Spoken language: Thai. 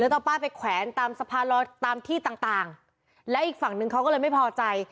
ต้องเอาป้ายไปแขวนตามสะพานลอยตามที่ต่างต่างและอีกฝั่งหนึ่งเขาก็เลยไม่พอใจ